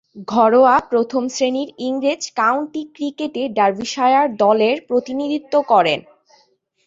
ঘরোয়া প্রথম-শ্রেণীর ইংরেজ কাউন্টি ক্রিকেটে ডার্বিশায়ার দলের প্রতিনিধিত্ব করেন।